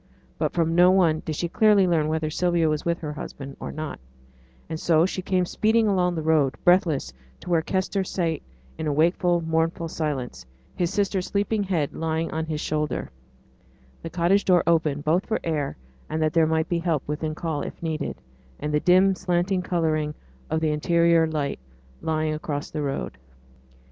But from no one did she clearly learn whether Sylvia was with her husband, or not; and so she came speeding along the road, breathless, to where Kester sate in wakeful, mournful silence, his sister's sleeping head lying on his shoulder, the cottage door open, both for air and that there might be help within call if needed; and the dim slanting oblong of the interior light lying across the road.